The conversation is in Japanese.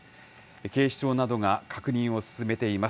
警視庁などが確認を進めています。